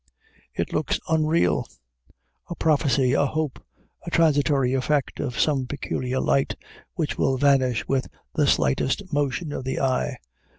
It looks unreal a prophecy, a hope, a transitory effect of some peculiar light, which will vanish with the slightest motion of the eye.